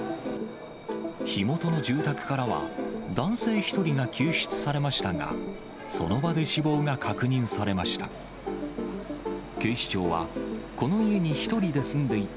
火元の住宅からは、男性１人が救出されましたが、その場で死亡が確認されました。